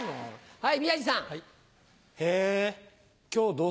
はい。